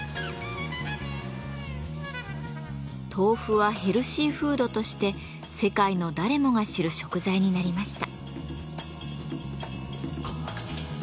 「ＴＯＦＵ」はヘルシーフードとして世界の誰もが知る食材になりました。